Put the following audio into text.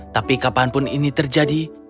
tapi kapanpun ini terjadi